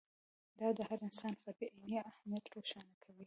دا د هر انساني فرد عیني اهمیت روښانه کوي.